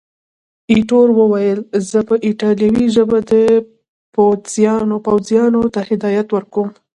ایټور وویل، زه په ایټالوي ژبه پوځیانو ته هدایات ورکوم.